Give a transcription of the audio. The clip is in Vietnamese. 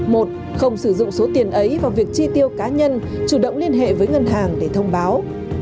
một không sử dụng số tiền ấy vào việc chi tiêu cá nhân chủ động liên hệ với ngân hàng để thông báo